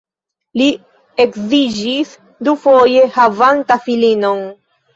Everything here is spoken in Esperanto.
Li edziĝis dufoje, havanta filinon.